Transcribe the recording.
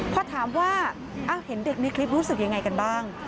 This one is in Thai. พอถามว่าเห็นเด็กในคลิปรู้สึกยังไงกันบ้าง